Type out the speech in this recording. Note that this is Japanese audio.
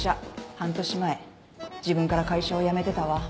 半年前自分から会社を辞めてたわ。